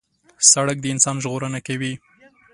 سړک د انسان ژغورنه کوي.